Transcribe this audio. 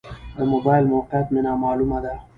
د موبایل موقعیت مې نا معلومه ده.